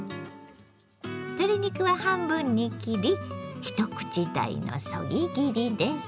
鶏肉は半分に切り一口大のそぎ切りです。